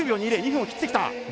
２分を切ってきた！